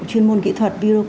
chuyên môn kỹ thuật